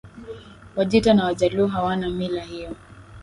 Wajita na Wajaluo hawana mila hiyo